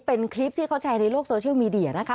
เป็นคลิปที่เขาแชร์ในโลกโซเชียลมีเดียนะคะ